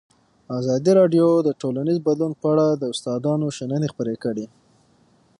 ازادي راډیو د ټولنیز بدلون په اړه د استادانو شننې خپرې کړي.